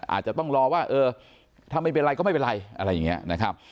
อาจจะต้องรอว่าเออถ้าไม่เป็นไรก็ไม่เป็นไรอะไรอย่างนี้นะครับ